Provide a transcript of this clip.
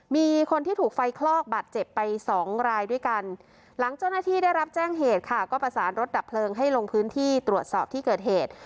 มีคนที่ถูกไฟคลอกบาดเจ็บไปสองรายด้วยกันหลังเจ้าหน้าที่ได้รับแจ้งเหตุค่ะก็ประสานรถดับเพลิงให้ลงพื้นที่ตรวจสอบที่เกิดเหตุ